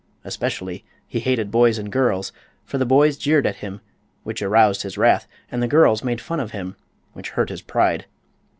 Especially he hated boys and girls; for the boys jeered at him, which aroused his wrath, and the girls made fun of him, which hurt his pride.